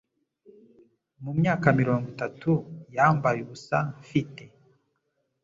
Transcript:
Mumyaka mirongo itatu yambaye ubusa mfite